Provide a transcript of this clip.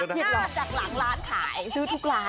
ดักหน้าดักหลังร้านขายซื้อทุกร้าน